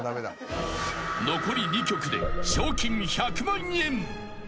［残り２曲で賞金１００万円］